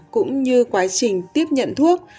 cũng như quá trình tiếp nhận thuốc